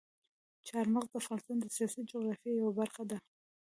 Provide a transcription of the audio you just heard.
چار مغز د افغانستان د سیاسي جغرافیې یوه برخه ده.